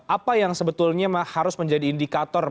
apa yang sebetulnya harus menjadi indikator